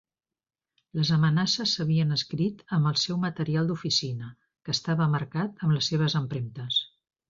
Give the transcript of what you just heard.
Les amenaces s'havien escrit amb el seu material d'oficina, que estava marcat amb les seves empremtes.